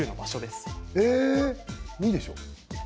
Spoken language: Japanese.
２でしょう？